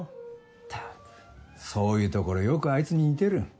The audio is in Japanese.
ったくそういうところよくあいつに似てる。